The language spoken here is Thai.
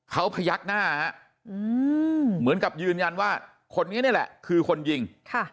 เขาพยักหน้าเหมือนกับยืนยันว่าคนนี้นี่แหละคือคนยิง